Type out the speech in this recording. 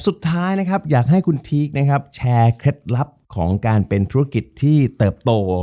สุดท้ายนะครับอยากให้คุณทีคนะครับแชร์เคล็ดลับของการเป็นธุรกิจที่เติบโต